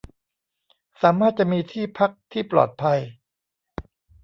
สามารถจะมีที่พักที่ปลอดภัย